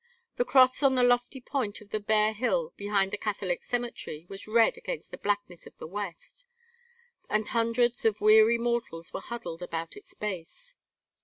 The cross on the lofty point of the bare hill behind the Catholic cemetery was red against the blackness of the west; and hundreds of weary mortals were huddled about its base.